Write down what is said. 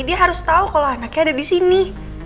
dia harus tau kalau anaknya ada disini